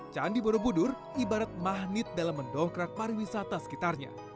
candi borobudur ibarat magnet dalam mendongkrak pariwisata sekitarnya